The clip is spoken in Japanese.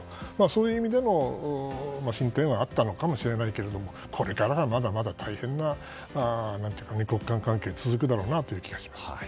そういう意味での進展はあったのかもしれないけれどもこれから、まだまだ大変な２国間関係が続くだろうなという気がします。